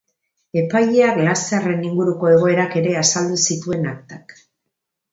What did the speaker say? Epaileak laserren inguruko egoerak ere azaldu zituen aktan.